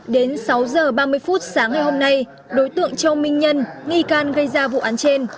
đến sáu h ba mươi phút sáng ngày hôm nay đối tượng châu minh nhân nghi can gây ra vụ án trên